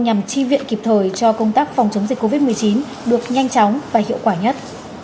nhằm chi viện kịp thời cho công tác phòng chống dịch covid một mươi chín được nhanh chóng và hiệu quả nhất